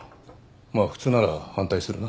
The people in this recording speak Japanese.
まあ普通なら反対するな。